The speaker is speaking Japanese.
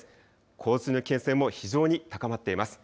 洪水の危険性も非常に高まっています。